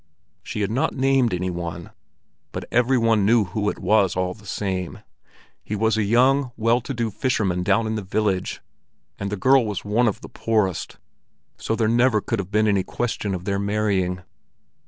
She had not named any one, but every one knew who it was all the same. He was a young, well to do fisherman down in the village, and the girl was one of the poorest, so there could never have been any question of their marrying.